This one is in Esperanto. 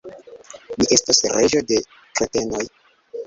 Mi estos reĝo de kretenoj!